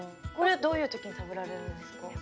これはどういう時に食べられるんですか？